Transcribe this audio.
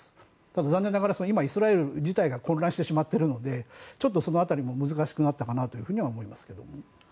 ただ、残念ながらイスラエル自体が混乱してしまっているのでちょっとその辺りも難しくなったかなと思いますね。